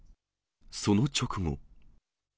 その直後。